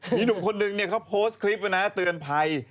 มีหนุ่มคนนึงเนี่ยเขาโพสต์คลิปนะฮะเตือนภัย